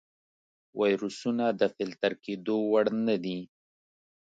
ویروسونه د فلتر کېدو وړ نه دي.